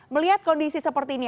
melihat kondisi seperti ini